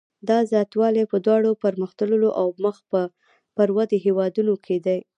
دا زیاتوالی په دواړو پرمختللو او مخ پر ودې هېوادونو کې دی.